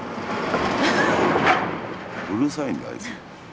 うるさいんだよあいつ。